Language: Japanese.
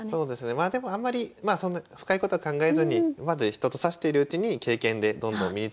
まあでもあんまりまあそんな深いことは考えずにまず人と指してるうちに経験でどんどん身についてくるものだとは思いますね。